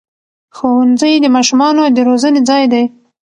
ښوونځی د ماشومانو د روزنې ځای دی